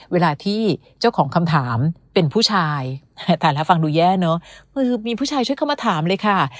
เวลาที่เจ้าของคำถามเป็นผู้ชายแต่ละฟังดูแย่เนอะคือมีผู้ชายช่วยเข้ามาถามเลยค่ะ